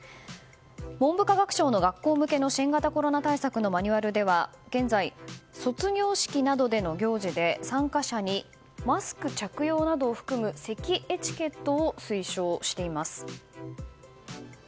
文部科学省の学校向けの新型コロナ対策のマニュアルでは現在、卒業式などでの行事で参加者に、マスク着用などを含むせきエチケットを推奨しています。